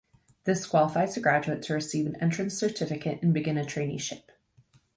This qualifies the graduate to receive an Entrance Certificate and begin a traineeship.